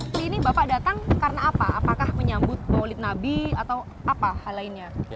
tapi ini bapak datang karena apa apakah menyambut maulid nabi atau apa hal lainnya